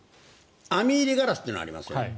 網入れガラスというのがありますよね。